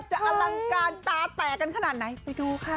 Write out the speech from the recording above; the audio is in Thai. อลังการตาแตกกันขนาดไหนไปดูค่ะ